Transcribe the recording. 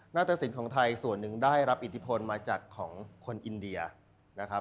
ตสินของไทยส่วนหนึ่งได้รับอิทธิพลมาจากของคนอินเดียนะครับ